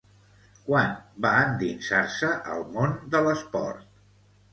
Quan va endinsar-se al món de l'esport?